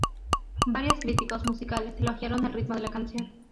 Varios críticos musicales elogiaron el ritmo de la canción.